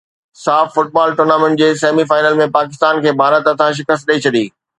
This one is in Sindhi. ساف فٽبال ٽورنامينٽ جي سيمي فائنل ۾ پاڪستان کي ڀارت هٿان شڪست ڏئي ڇڏي